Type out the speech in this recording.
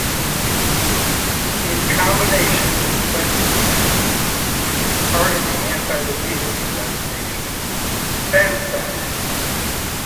In combination with phentermine, it was part of the anti-obesity medication Fen-phen.